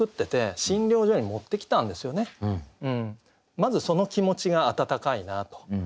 まずその気持ちが温かいなと。